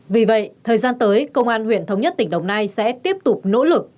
vì vậy thời gian tới công an huyện thống nhất tỉnh đồng nai sẽ tiếp tục nỗ lực